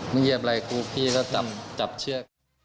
ไม่เยียบไรกูพี่ก็จำจับเชื้อ